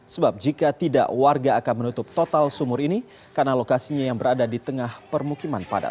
sebab jika tidak warga akan menutup total sumur ini karena lokasinya yang berada di tengah permukiman padat